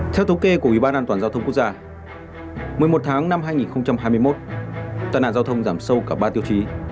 theo thống kê của ủy ban an toàn giao thông quốc gia một mươi một tháng năm hai nghìn hai mươi một tai nạn giao thông giảm sâu cả ba tiêu chí